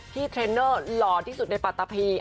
ที่เญรนเนอร์หล่อที่สุดในปัตประธาภี